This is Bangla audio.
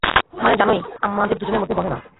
মানে, জানোই, আমাদের দুজনের মধ্যে বনে না।